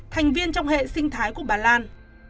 thành viên trong hệ sinh thái của bà loan